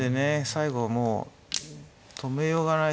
最後もう止めようがないし。